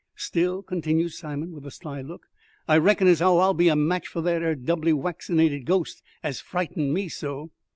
Still," continued Simon, with a sly look, "I reckon as 'ow I'll be a match for that 'ere doubly waccinated ghost as frightened me so."